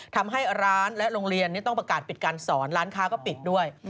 ทำให้ร้านและโรงเรียนต้องประกาศปิดการสอนร้านค้าก็ปิดด้วย